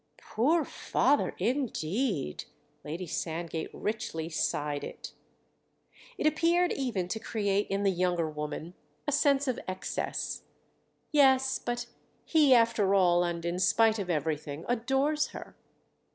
"Poor father indeed!"—Lady Sandgate richly sighed it It appeared even to create in the younger woman a sense of excess. "Yes—but he after all and in spite of everything adores her."